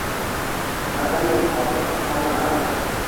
Madaniy hordiq xonalari